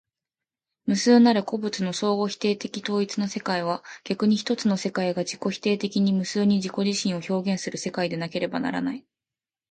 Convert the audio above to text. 無数なる個物の相互否定的統一の世界は、逆に一つの世界が自己否定的に無数に自己自身を表現する世界でなければならない。